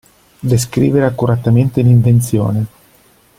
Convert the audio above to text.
Descrivere accuratamente l'invenzione.